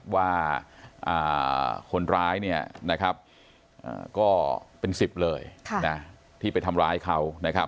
ว่าคนร้ายเนี่ยนะครับก็เป็นสิบเลยที่ไปทำร้ายเขานะครับ